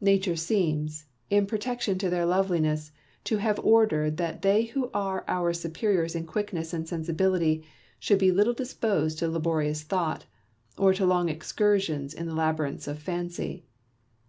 Nature seems, in protection to their loveliness, to have ordered that they who are our superiors in quickness and sensibility should be little SOUTHEY AND PORSON. 165 disposed to laborious thought, or to long excursions in the labyrinths of fancy.